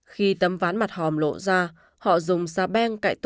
khi tấm ván mặt hòm lộ ra họ dùng xa beng cậy tối